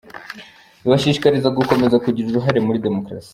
Ibashishikariza gukomeza kugira uruhare muri demokarasi.